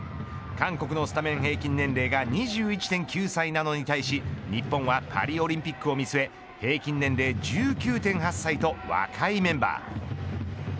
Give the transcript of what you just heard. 韓国のスタメン平均年齢が２１．９歳なのに対し日本はパリオリンピックを見据え平均年齢１９．８歳と若いメンバー。